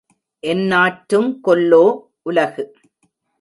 என்னாற்றுங் கொல்லோ உலகு